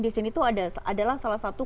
disini tuh adalah salah satu